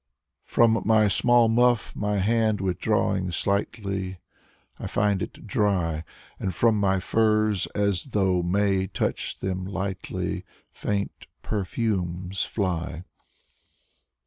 From my small muff my hand withdrawing slightly, I find it dry. And from my furs, as though May touched them lightly. Faint perfumes ily.